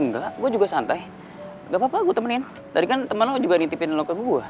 nggak gue juga santai gapapa gue temenin tadi kan temen lo juga nitipin lo ke gue